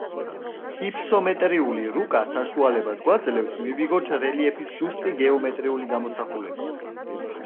ჰიფსომეტრიული რუკა საშუალებას გვაძლევს მივიღოთ რელიეფის ზუსტი გეომეტრიული გამოსახულება.